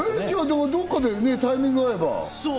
どっかでタイミング合えば。